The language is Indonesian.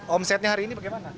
omsetnya hari ini bagaimana